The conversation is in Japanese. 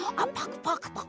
パクパク。